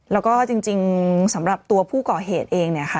แล้วก็จริงสำหรับตัวผู้ก่อเหตุเองเนี่ยค่ะ